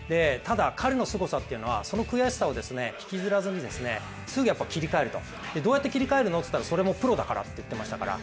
ただ、彼のすごさっていうのがその悔しさを引きずらずにすぐ切り替える、どうやって切り替えるのといったら、それもプロだからと言ってました。